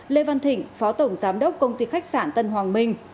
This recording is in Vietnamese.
lê văn thịnh phó tổng giám đốc công ty khách sạn tân hoàng minh